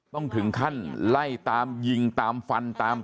ต้องถึงขั้นไล่ตามยิงตามฟันตาม